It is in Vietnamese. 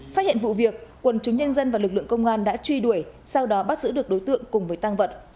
phát hiện vụ việc quần chúng nhân dân và lực lượng công an đã truy đuổi sau đó bắt giữ được đối tượng cùng với tăng vật